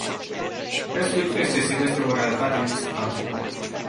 Pescuitul excesiv este o realitate indiscutabilă.